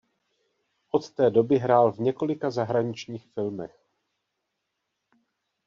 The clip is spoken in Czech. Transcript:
Od té doby hrál v několika zahraničních filmech.